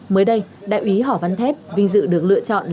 mới đây đại úy hỏ văn thép vinh dự được lựa chọn